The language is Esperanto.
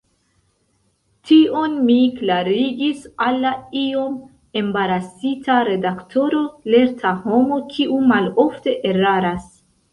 Tion mi klarigis al la iom embarasita redaktoro, lerta homo, kiu malofte eraras.